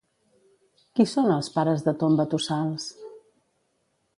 Qui són els pares de Tombatossals?